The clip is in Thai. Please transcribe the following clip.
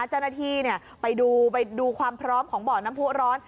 เจ้าหน้าที่ไปดูไปดูความพร้อมของบ่อน้ำผู้ร้อน